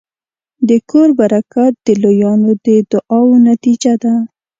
د کور برکت د لویانو د دعاوو نتیجه ده.